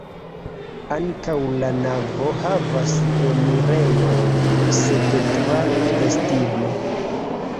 Ankaŭ la navo havas enirejon, sed tra vestiblo.